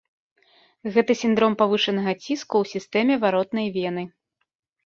Гэта сіндром павышанага ціску ў сістэме варотнай вены.